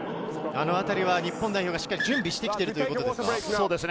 日本代表がしっかり準備しているということですか？